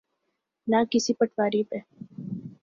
نہ کسی پٹواری پہ۔